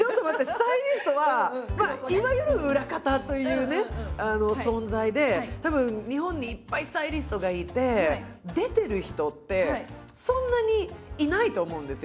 スタイリストはまあいわゆる裏方というね存在でたぶん日本にいっぱいスタイリストがいて出てる人ってそんなにいないと思うんですよね。